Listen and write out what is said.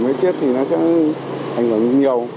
cái tiết thì nó sẽ ảnh hưởng nhiều